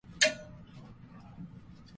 福島県白河市